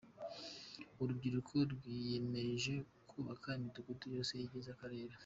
Urubyiruko rwiyemeje kubaka imidugudu yose igize Akarere